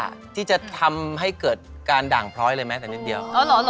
แล้วที่จะถอดความอยู่ให้เกิดการด่างพล้อยเลยแม้แต่นิดเดียว